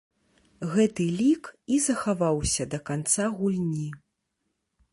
Гэты лік і захаваўся да канца гульні.